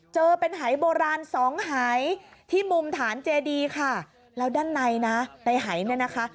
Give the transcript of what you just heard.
เจอเป็นหายโบราณสองหายที่มุมฐานเจดีค่ะแล้วด้านในนะในหายเนี่ยนะคะ